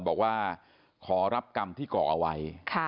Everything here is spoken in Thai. บอกว่าขอรับกรรมที่ก่อเอาไว้